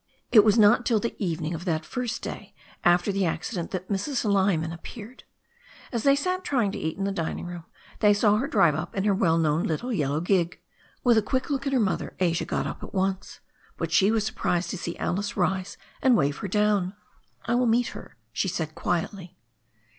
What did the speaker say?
It was not till the evening of that first day after the accident that Mrs. Lyman appeared. As they sat trying to eat in the dining room, they saw her drive up in her well known little yellow gig. With a quick look at her mother, Asia got up at once. But she was surprised to see Alice rise and wave her down. "I will meet her," she said quietly.